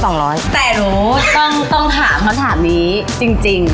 แต่หนูต้องถามคำถามนี้จริง